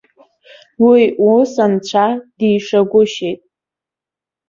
Уи ус анцәа дишагәышьеит.